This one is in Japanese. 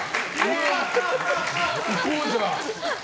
行こう、じゃあ。